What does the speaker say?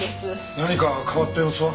何か変わった様子は？